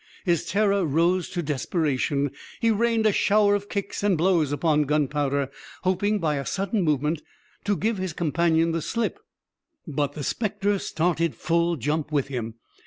His terror rose to desperation; he rained a shower of kicks and blows upon Gunpowder, hoping, by a sudden movement, to give his companion the slip but the specter started full jump with him.